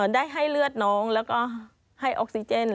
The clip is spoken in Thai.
ได้ให้เลือดน้องแล้วก็ให้ออกซิเจน